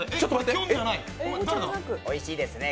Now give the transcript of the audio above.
おいしいですね